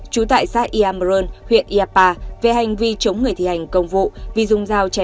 trú tại xã iamron huyện iapa về hành vi chống người thi hành công vụ